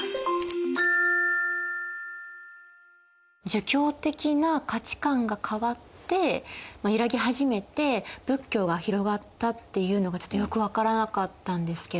儒教的な価値観が変わって揺らぎ始めて仏教が広がったっていうのがちょっとよく分からなかったんですけど。